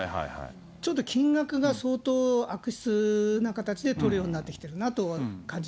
ちょっと金額が相当悪質な形でとるようになってきてるなとは感じ